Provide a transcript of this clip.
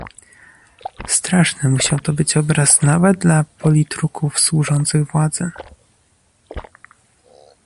Straszny musiał to być obraz nawet dla politruków służących władzy